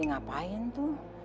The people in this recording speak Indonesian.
eh ngapain tuh